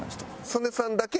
曽根さんだけ？